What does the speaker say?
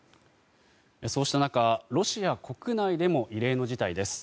そうした中ロシア国内でも異例の事態です。